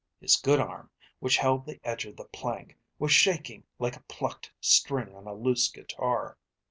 His good arm, which held the edge of the plank, was shaking like a plucked string on a loose guitar.